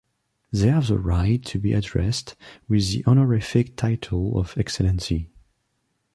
They have the right to be addressed with the honorific title of Excellency.